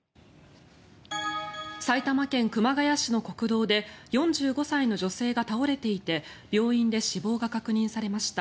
埼玉県熊谷市の国道で４５歳の女性が倒れていて病院で死亡が確認されました。